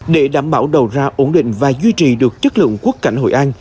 để đảm bảo đầu ra ổn định và duy trì được chất lượng quốc cảnh hội an